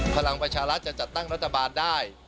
พลังประชารัฐจะจัดตั้งรัฐบาลได้